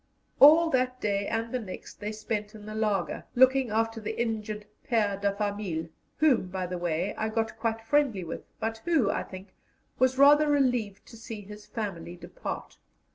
All that day and the next they spent in the laager, looking after the injured père de famille, whom, by the way, I got quite friendly with, but who, I think, was rather relieved to see his family depart.